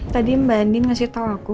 tadi mbak andin ngasih tau aku